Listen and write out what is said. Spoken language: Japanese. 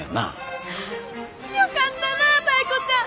よかったなタイ子ちゃん！